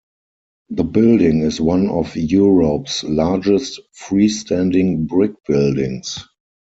The building is one of Europe's largest, freestanding brick buildings.